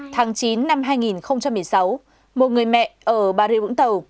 tháng chín năm hai nghìn một mươi sáu một người mẹ ở bà rịa vũng tàu